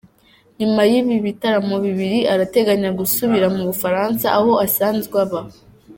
Nyuma y’ibi bitaramo bibiri arateganya gusubira mu Bufaransa, aho asanzwe aba.